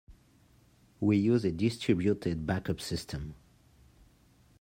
We use a distributed backup system.